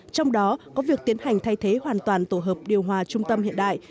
trong đó có việc tiến hành thay thế hoàn toàn tổ hợp điều hòa trung tâm hiện đại